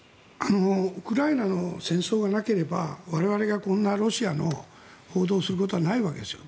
ウクライナの戦争がなければ我々がこんなロシアの報道をすることはないんですよ。